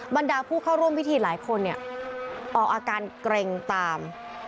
บรรดาผู้เข้าร่วมพิธีหลายคนออกอาการเกร็งตาม